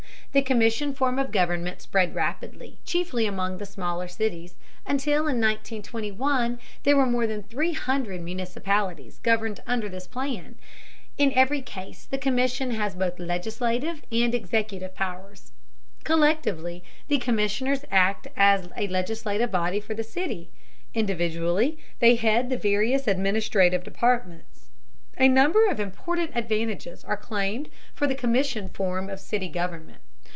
The commission form of government spread rapidly, chiefly among the smaller cities, until in 1921 there were more than 300 municipalities governed under this plan. In every case the commission has both legislative and executive powers. Collectively the commissioners act as a legislative body for the city, individually they head the various administrative departments. A number of important advantages are claimed for the commission form of city government.